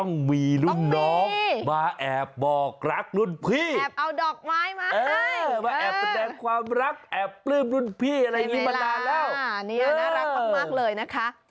นี่น่ารักมากเลยนะคะ